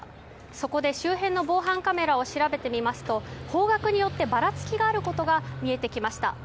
そこで周辺の防犯カメラを調べてみますと、方角によってばらつきがあることが見えてきました。